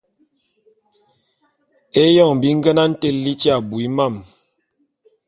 Éyoñg bi ngenane te tili abui mam...